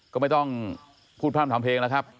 ก็ไม่ต้องพูดพร่ำทำเพลงแล้วครับ